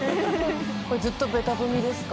これずっとベタ踏みですか？